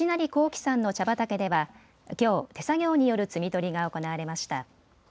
輝さんの茶畑ではきょう手作業による摘み取りが行われました。